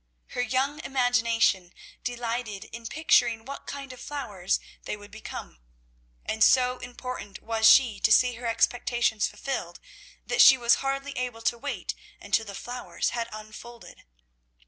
Her young imagination delighted in picturing what kind of flowers they would become; and so impatient was she to see her expectations fulfilled, that she was hardly able to wait until the flowers had unfolded.